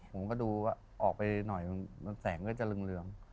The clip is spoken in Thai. ผมก็ดูว่าออกไปหน่อยแสงก็จะเสลม